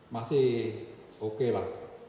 masih oke lah